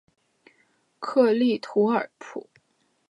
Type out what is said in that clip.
克利图尔普。